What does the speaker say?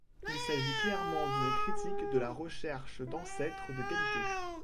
Il s'agit clairement d'une critique de la recherche d'ancêtres de qualité.